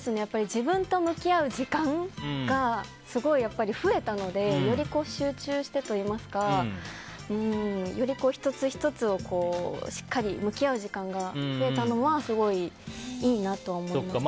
自分と向き合う時間がすごい増えたのでより集中してというかより１つ１つをしっかり向き合う時間が増えたのはすごくいいなと思いましたね。